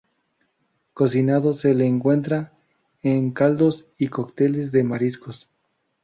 Cocinado se le encuentra en caldos y cócteles de mariscos.